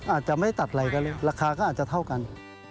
อาจจะไม่ตัดอะไรก็ได้ราคาก็อาจจะเท่ากัน